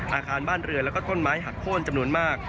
อาคารบ้านเรือแล้วก็ต้นไม้หักโค้นจำนวนมาก